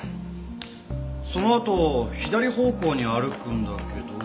そのあと左方向に歩くんだけど。